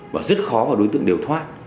và rất khó đối tượng đều thoát